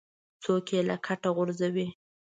څوک یې له کټه غورځوي.